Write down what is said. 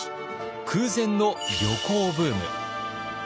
空前の旅行ブーム。